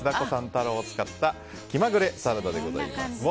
太郎を使った気まぐれサラダでございます。